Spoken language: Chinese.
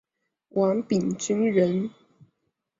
王秉鋆人。